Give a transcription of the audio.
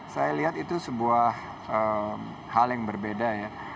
saya lihat itu sebuah hal yang berbeda ya